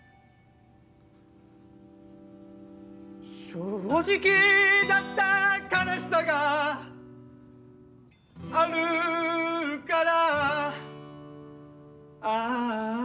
「正直だった悲しさがあるから」